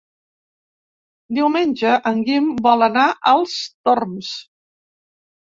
Diumenge en Guim vol anar als Torms.